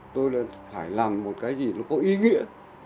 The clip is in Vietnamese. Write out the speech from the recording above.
tôi là phải làm một cái gì nó có ý nghĩa